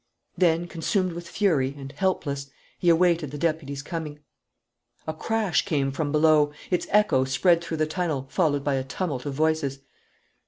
Then, consumed with fury and helpless, he awaited the deputy's coming. A crash came from below; its echo spread through the tunnel, followed by a tumult of voices.